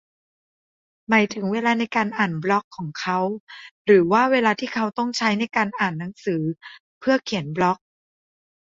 หมายถึงเวลาในการอ่านบล็อกของเขา หรือว่าเวลาที่เขาต้องใช้ในการอ่านหนังสือเพื่อเขียนบล็อก ?